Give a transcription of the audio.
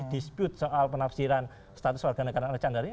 disput soal penafsiran status warga negara canda tahan